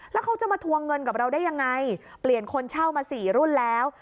แล้วเขาจะมาทวงเงินกับเราได้ยังไงเปลี่ยนคนเช่ามาสี่รุ่นแล้ว